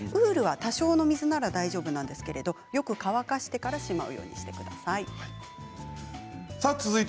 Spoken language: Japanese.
ウールは多少の水なら大丈夫なんですが、よく乾かしてからしまうようにしてください。